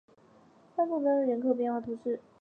阿贡当日人口变化图示